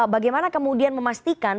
bagaimana kemudian memastikan